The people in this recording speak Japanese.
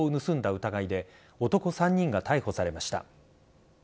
疑いで男３人が逮捕されました。